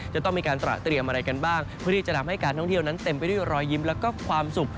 จะต้องมีการตระเตรียมอะไรกันบ้างเพื่อที่จะทำให้การท่องเที่ยวนั้นเต็มไปด้วยรอยยิ้มแล้วก็ความสุข